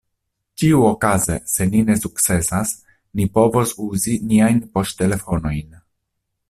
Ĉiuokaze, se ni ne sukcesas, ni povos uzi niajn poŝtelefonojn.